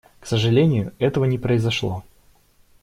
К сожалению, этого не произошло.